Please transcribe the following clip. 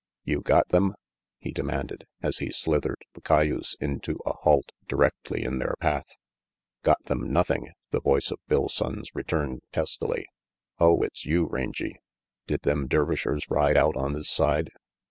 "You got them?" he demanded, as he slithered the cayuse into a halt directly in their path. "Got them nothing!" the voice of Bill Sonnes returned testily. "Oh, it's you, Rangy! Did them Dervishers ride out on this side?"